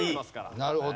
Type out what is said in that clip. なるほど。